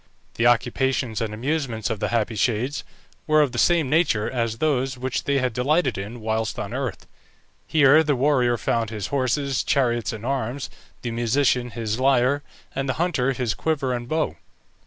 The occupations and amusements of the happy shades were of the same nature as those which they had delighted in whilst on earth. Here the warrior found his horses, chariots, and arms, the musician his lyre, and the hunter his quiver and bow.